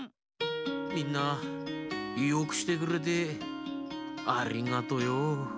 みんなよくしてくれてありがとよ。